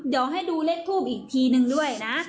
เดี๋ยวให้ดูเลขทูบอีกทีนึงด้วยนะ